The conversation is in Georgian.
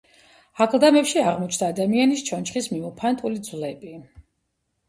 აკლდამებში აღმოჩნდა ადამიანის ჩონჩხის მიმოფანტული ძვლები.